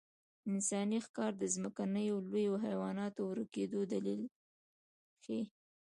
انساني ښکار د ځمکنیو لویو حیواناتو ورکېدو دلیل ښيي.